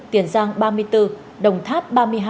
tiền giang ba mươi bốn đồng tháp ba mươi hai